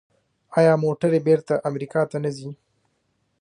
آیا موټرې بیرته امریکا ته نه ځي؟